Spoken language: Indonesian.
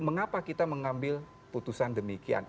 mengapa kita mengambil putusan demikian